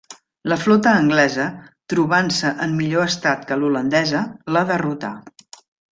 La flota anglesa, trobant-se en millor estat que l'holandesa, la derrotà.